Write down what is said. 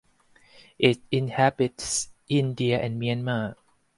It inhabits India and Myanmar.